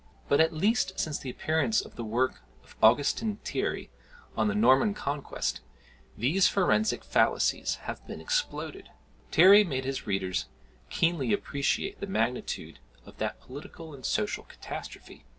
But, at least since the appearance of the work of Augustin Thierry on the Norman Conquest, these forensic fallacies have been exploded. Thierry made his readers keenly appreciate the magnitude of that political and social catastrophe.